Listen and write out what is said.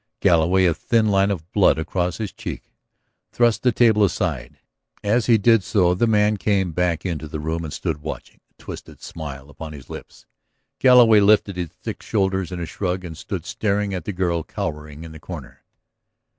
Galloway, a thin line of blood across his cheek, thrust the table aside. As he did so the man came back into the room and stood watching, a twisted smile upon his lips. Galloway lifted his thick shoulders in a shrug and stood staring at the girl cowering in her corner.